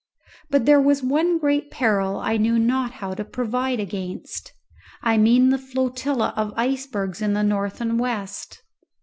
But there was one great peril I knew not how to provide against I mean the flotilla of icebergs in the north and west.